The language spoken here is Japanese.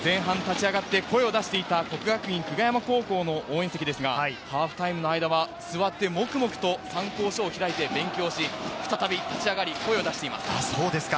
前半立ち上がって声出していた國學院久我山高校の応援席ですが、ハーフタイムの間は座って、黙々と参考書を開いて勉強し、再び立ち上がり、声を出しています。